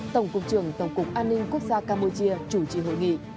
tổng cục trưởng tổng cục an ninh quốc gia campuchia chủ trì hội nghị